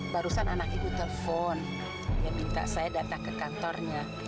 barusan anak ibu telpon yang minta saya datang ke kantornya